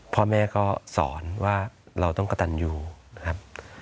พ่อแม่ก็สอนว่าเราต้องกระตันอยู่นะครับ